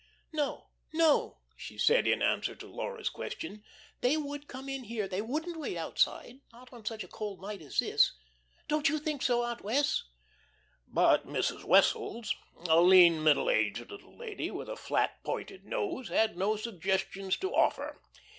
"No, no," she said, in answer to Laura's question. "They would come in here; they wouldn't wait outside not on such a cold night as this. Don't you think so, Aunt Wess'?" But Mrs. Wessels, a lean, middle aged little lady, with a flat, pointed nose, had no suggestions to offer.